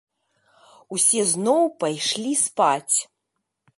Усе зноў пайшлі спаць.